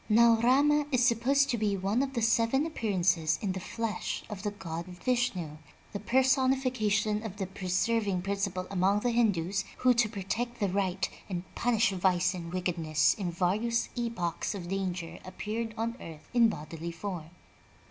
Now Rama is supposed to be one of the seven appearances in the flesh of the god Vishnu, the personification of the preserving principle among the Hindus, who, to protect the right, and punish vice and wickedness, in various epochs of danger appeared on earth in bodily form.